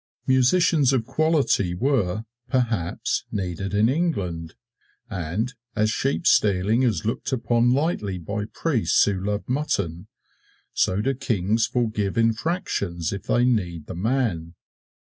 Musicians of quality were, perhaps, needed in England; and as sheep stealing is looked upon lightly by priests who love mutton, so do kings forgive infractions if they need the man.